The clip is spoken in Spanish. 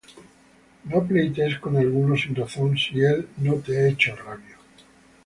No pleitees con alguno sin razón, Si él no te ha hecho agravio.